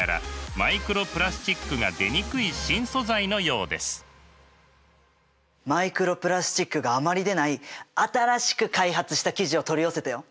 マイクロプラスチックがあまり出ない新しく開発した生地を取り寄せたよ。